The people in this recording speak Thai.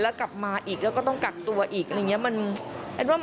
แล้วกลับมาอีกแล้วก็ต้องกักตัวอีกอะไรอย่างนี้